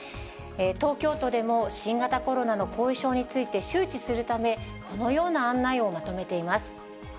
東京都でも新型コロナの後遺症について周知するため、このような案内をまとめています。